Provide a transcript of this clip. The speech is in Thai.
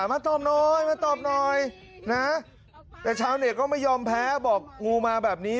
มาตอบหน่อยมาตอบหน่อยนะแต่ชาวเน็ตก็ไม่ยอมแพ้บอกงูมาแบบนี้